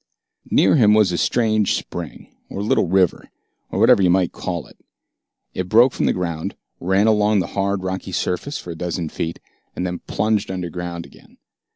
Near him was a strange spring, or little river, or whatever you might call it. It broke from the ground, ran along the hard rocky surface for a dozen feet, and then plunged underground again.